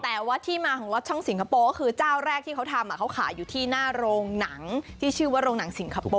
แต่ว่าที่มาของรถช่องสิงคโปร์ก็คือเจ้าแรกที่เขาทำเขาขายอยู่ที่หน้าโรงหนังที่ชื่อว่าโรงหนังสิงคโปร์